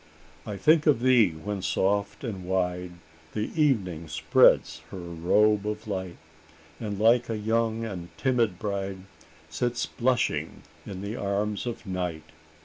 "I think of thee, when soft and wide The Evening spreads her robe of light; And, like a young and timid bride, Sits blushing in the arms of night.